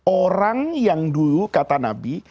orang yang dulu kata nabi